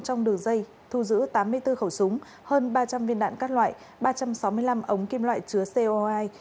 trong đường dây thu giữ tám mươi bốn khẩu súng hơn ba trăm linh viên đạn các loại ba trăm sáu mươi năm ống kim loại chứa co hai